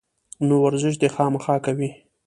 نو ورزش دې خامخا کوي